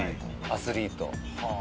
アスリート。